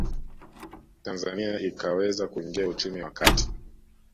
Tanzania ikaweza kuingia uchumi wa kati